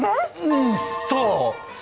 うんそう！